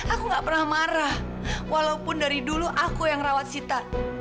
aku gak pernah marah walaupun dari dulu aku yang rawat sita